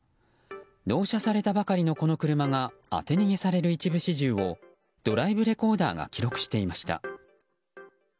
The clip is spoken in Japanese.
納車されたばかりのこの車が当て逃げされる一部始終をドライブレコーダーが記録していました。